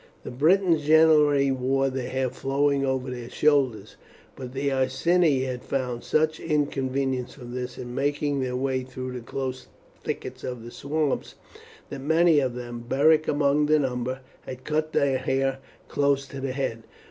The Britons generally wore their hair flowing over their shoulders; but the Iceni had found such inconvenience from this in making their way through the close thickets of the swamps, that many of them Beric among the number had cut their hair close to the head.